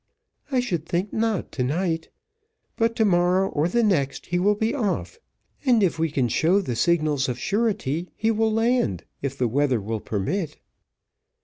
"I should think not to night, but to morrow or the next he will be off; and if we can show the signals of surety he will land, if the weather will permit."